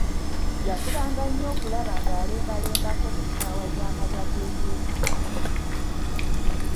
Yafubanga nnyo okulaba ng'alembalembako mu ssaawa za malya g'ebyemisana.